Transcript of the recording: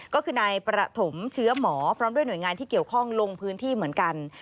ก็คือนายประถมเชื้อหมอพร้อมด้วยหน่วยงานที่เกี่ยวข้องลงพื้นที่เหมือนกัน